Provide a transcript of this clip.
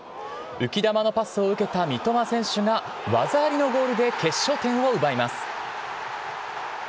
浮き球のパスを受けた三笘選手が、技ありのゴールで決勝点を奪います。